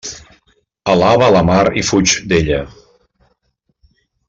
Alaba la mar i fuig d'ella.